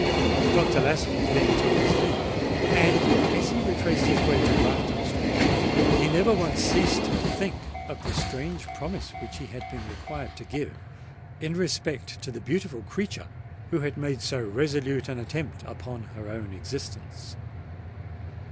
Dr. Lascelles then took his leave; and, as he retraced his way to Grafton Street, he never once ceased to think of the strange promise which he had been required to give in respect to the beautiful creature who had made so resolute an attempt upon her own existence.